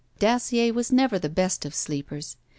Dacier was never the best of sleepers.